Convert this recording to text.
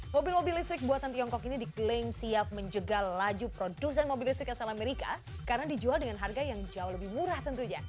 mobil mobil listrik buatan tiongkok ini diklaim siap menjegal laju produsen mobil listrik asal amerika karena dijual dengan harga yang jauh lebih murah tentunya